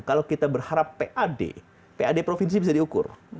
kalau kita berharap pad pad provinsi bisa diukur